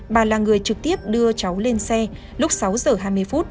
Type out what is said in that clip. bà là người trực tiếp đưa cháu lên xe lúc sáu h hai mươi